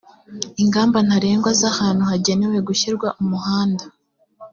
ingamba ntarengwa z ahantu hagenewe gushyirwa umuhanda